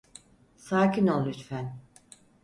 Sakin ol lütfen.